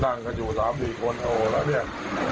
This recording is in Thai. นั่งกระจุสามสี่คนโอ้แล้วเนี่ย